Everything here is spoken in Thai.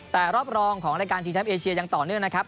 แต่รอบรองของรายการชิงแชมป์เอเชียยังต่อเนื่องนะครับ